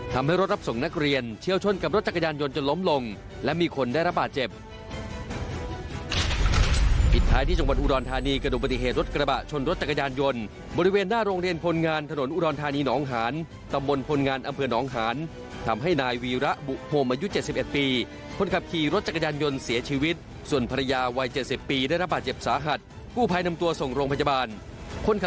ทำให้รถรับส่งนักเรียนเชี่ยวชนกับรถจักรยานยนต์จนล้มลง